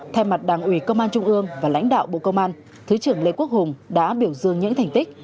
thay mặt đảng ủy công an trung ương và lãnh đạo bộ công an thứ trưởng lê quốc hùng đã biểu dương những thành tích